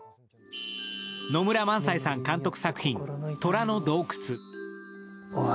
野村萬斎さん監督作品「虎の洞窟」。